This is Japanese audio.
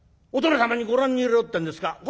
「お殿様にご覧に入れようってんですか。